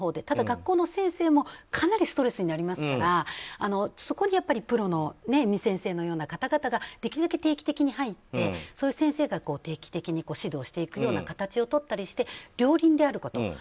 ただ、学校の先生もかなりストレスになりますからそこにプロの遠見さんのような方々ができるだけ定期的に入ってそういう先生から定期的に指導していくような形をとったりして両輪であること。